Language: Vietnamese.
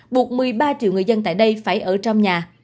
buộc một mươi ba triệu người dân tại đây phải ở trong nhà